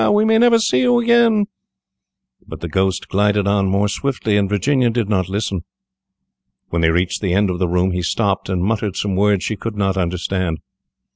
we may never see you again," but the Ghost glided on more swiftly, and Virginia did not listen. When they reached the end of the room he stopped, and muttered some words she could not understand.